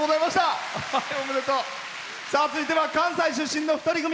続いては関西出身の２人組。